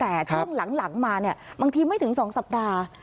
แต่ช่วงหลังมาเนี่ยบางทีไม่ถึง๒สัปดาห์